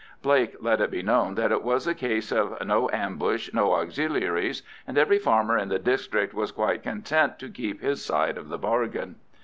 Blake let it be known that it was a case of no ambush, no Auxiliaries, and every farmer in the district was quite content to keep his side of the bargain.